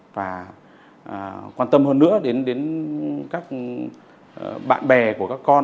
và quan tâm hơn nữa đến các bạn bè của các con